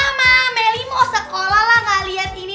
mama meli mau sekolah lah gak liat ini